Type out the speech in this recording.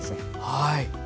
はい。